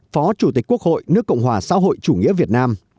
phó chủ tịch quốc hội nước cộng hòa xã hội chủ nghĩa việt nam